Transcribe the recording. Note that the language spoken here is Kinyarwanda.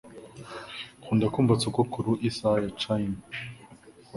Nkunda kumva sogokuru isaha ya chime.